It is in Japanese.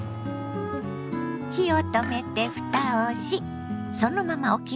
火を止めてふたをしそのままおきます。